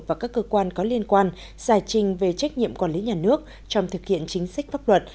và các cơ quan có liên quan giải trình về trách nhiệm quản lý nhà nước trong thực hiện chính sách pháp luật